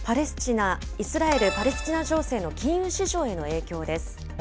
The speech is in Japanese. イスラエル・パレスチナ情勢の金融市場への影響です。